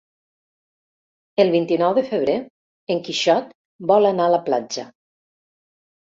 El vint-i-nou de febrer en Quixot vol anar a la platja.